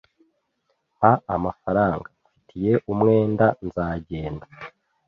Mpa amafaranga mfitiye umwenda nzagenda